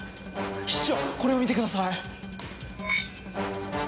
室長これを見てください！